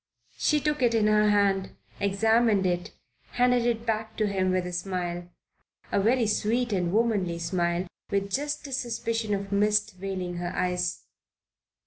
She took it in her hand, examined it, handed it back to him with a smile, a very sweet and womanly smile, with just the suspicion of mist veiling her eyes.